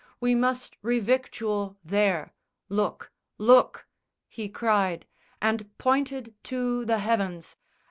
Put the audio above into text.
We must re victual there. Look! look!" he cried, And pointed to the heavens.